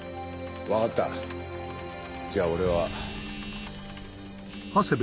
分かったじゃあ俺は。